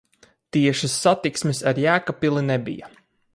Tiešas satiksmes ar Jēkabpili nebija.